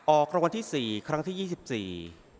ออกรางวัลที่สี่ครั้งที่ยี่สิบสี่